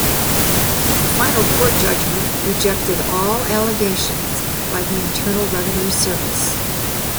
The final court judgment rejected all allegations by the Internal Revenue Service.